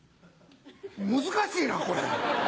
難しいなこれ！